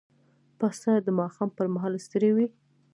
پسه د ماښام پر مهال ستړی وي.